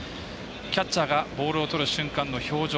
キャッチャーがボールをとる瞬間の表情。